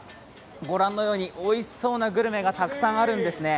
御覧のように、おいしそうなグルメがたくさんあるんですね。